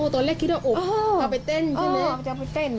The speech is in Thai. อ๋อตอนแรกคิดว่าโอบอาไปเต้นใช่ไหม